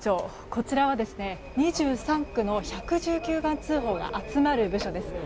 こちらは、２３区の１１９番通報が集まる部署です。